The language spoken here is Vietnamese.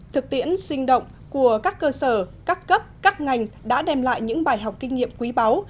thực tiễn sinh động của các cơ sở các cấp các ngành đã đem lại những bài học kinh nghiệm quý báu